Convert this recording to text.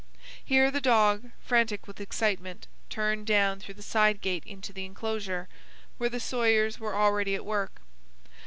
Here the dog, frantic with excitement, turned down through the side gate into the enclosure, where the sawyers were already at work.